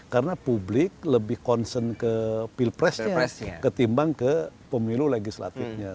karena publik lebih concern ke pilpresnya ketimbang ke pemilu legislatifnya